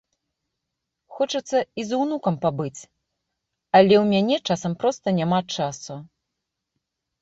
Хочацца і з унукам пабыць, але ў мяне часам проста няма часу.